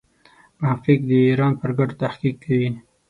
محقق د ایران پر ګټو تحقیق کوي.